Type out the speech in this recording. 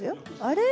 あれ？